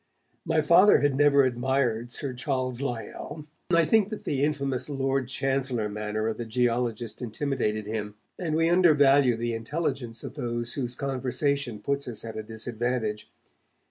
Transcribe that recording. My Father had never admired Sir Charles Lyell. I think that the famous 'Lord Chancellor manner' of the geologist intimidated him, and we undervalue the intelligence of those whose conversation puts us at a disadvantage.